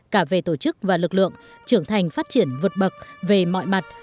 cả về tổ chức và lực lượng trưởng thành phát triển vượt bậc về mọi mặt